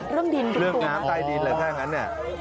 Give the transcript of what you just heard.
เรื่องดินเรื่องตัวเรื่องน้ำใต้ดินหรือแท่งั้น